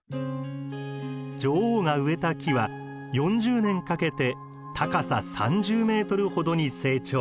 女王が植えた木は４０年かけて高さ３０ｍほどに成長。